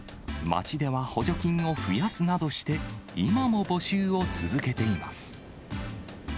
町では補助金を増やすなどして、今も募集を続けています。